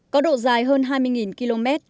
có độ dài hơn hai mươi km